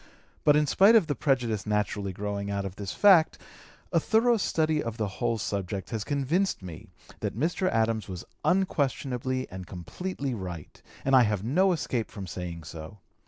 But in spite of the prejudice naturally growing out of this fact, a thorough study of the whole subject has convinced me that Mr. Adams was unquestionably and completely right, and I have no escape from saying so.